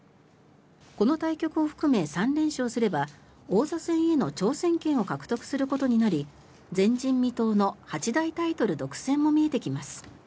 この対局を含め３連勝すれば王座戦への挑戦権を獲得することになり前人未到の八大タイトル独占も見えてきます。